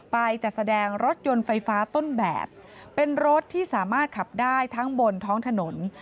ไปจัดแสดงรถยนต์ไฟฟ้าต้นแบบเป็นรถที่สามารถขับได้ทั้งบนท้องถนน